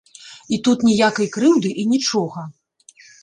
І тут ніякай крыўды і нічога.